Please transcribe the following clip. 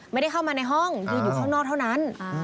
ไม่ได้เข้ามาในห้องยืนอยู่ข้างนอกเท่านั้น